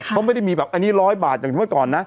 เขาไม่ได้มีแบบอันนี้๑๐๐บาทอย่างที่เมื่อก่อน